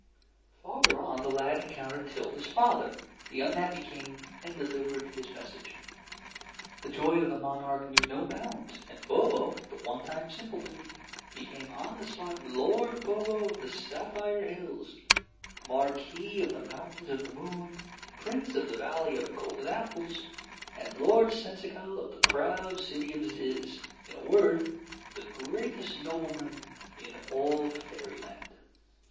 Farther on, the lad encountered Tilda's father, the unhappy King, and delivered his message. The joy of the monarch knew no bounds, and Bobo, the one time simpleton, became on the spot Lord Bobo of the Sapphire Hills, Marquis of the Mountains of the Moon, Prince of the Valley of Golden Apples, and Lord Seneschal of the proud City of Zizz in a word, the greatest nobleman in all Fairyland.